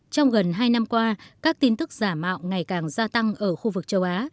trong gần hai năm qua các tin tức giả mạo ngày càng gia tăng ở khu vực châu á